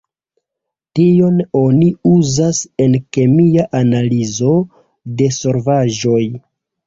Tion oni uzas en kemia analizo de solvaĵoj.